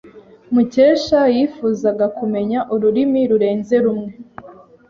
Mukesha yifuzaga kumenya ururimi rurenze rumwe.